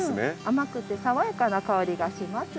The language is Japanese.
甘くて爽やかな香りがします。